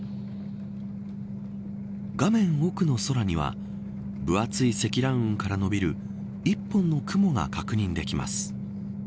画面奥の空には分厚い積乱雲から伸びる１本の雲が確認できます。